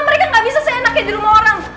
mereka gak bisa seenaknya di rumah orang